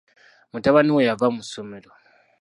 Mutabani we yava mu ssomero.